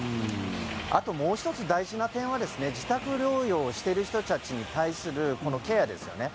あともう１つ大事な点は自宅療養している人たちに対するケアですよね。